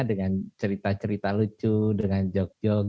dengan cerita cerita lucu dengan jog jog